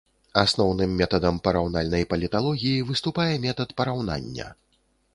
Асноўным метадам параўнальнай паліталогіі выступае метад параўнання.